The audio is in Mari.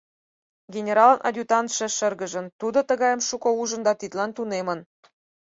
Генералын адъютантше шыргыжын: тудо тыгайым шуко ужын да тидлан тунемын.